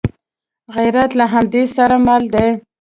غیرت له همت سره مل دی